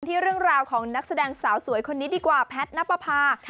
ที่เรื่องราวของนักแสดงสาวสวยคนนี้ดีกว่าแพทย์นับประพา